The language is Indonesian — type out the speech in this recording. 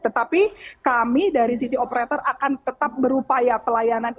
tetapi kami dari sisi operator akan tetap berupaya pelayanan